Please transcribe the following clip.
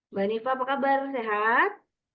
mbak nifa apa kabar sehat